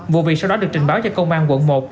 vụ việc sau đó được trình báo cho công an quận một